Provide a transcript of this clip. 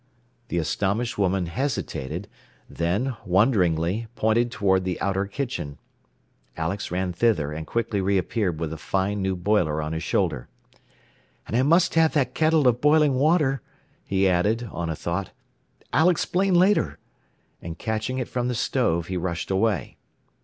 The astonished woman hesitated, then, wonderingly, pointed toward the outer kitchen. Alex ran thither, and quickly reappeared with the fine new boiler on his shoulder. "And I must have that kettle of boiling water," he added, on a thought. "I'll explain later." And catching it from the stove, he rushed away.